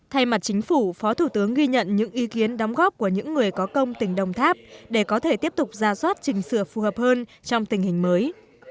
thay mặt chính phủ phó thủ tướng ghi nhận những ý kiến đóng góp của những người có công tỉnh đồng tháp để có thể tiếp tục ra soát chỉnh sửa phù hợp hơn trong tình hình mới